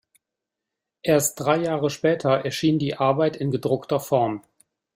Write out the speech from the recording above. Erst drei Jahre später erschien die Arbeit in gedruckter Form.